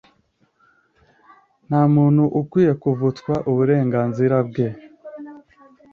nta muntu ukwiye kuvutswa uburenganzira bwe.